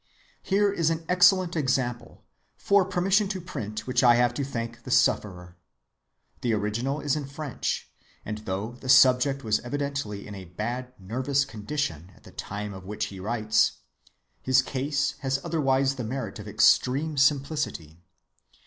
Here is an excellent example, for permission to print which I have to thank the sufferer. The original is in French, and though the subject was evidently in a bad nervous condition at the time of which he writes, his case has otherwise the merit of extreme simplicity.